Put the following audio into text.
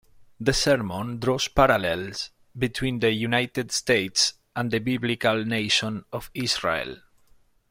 The sermon draws parallels between the United States and the Biblical nation of Israel.